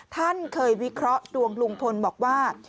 ท่านเคยวิเคราะห์ดวงลุงพลบอกว่า